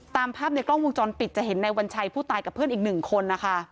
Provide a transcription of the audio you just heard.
ตามภาพในกล้องวงจรปิดจะเห็นในวัญชัยผู้ตายกับเพื่อนอีกหนึ่งคนนะคะ